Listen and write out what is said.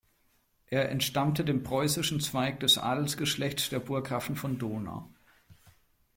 Er entstammte dem preußischen Zweig des Adelsgeschlechts der Burggrafen von Dohna.